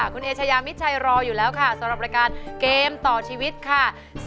คุณเอชายามิดชัยรออยู่แล้วค่ะสำหรับรายการเกมต่อชีวิตค่ะ